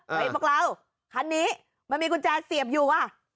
พวกเราคันนี้มันมีกุญแจเสียบอยู่ว่ะ